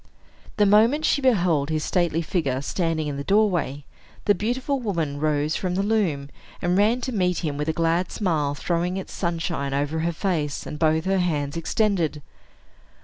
The moment she beheld his stately figure standing in the doorway, the beautiful woman rose from the loom, and ran to meet him with a glad smile throwing its sunshine over her face, and both her hands extended.